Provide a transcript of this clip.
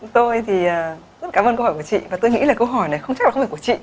tôi thì rất cảm ơn câu hỏi của chị và tôi nghĩ là câu hỏi này không chắc là không phải của chị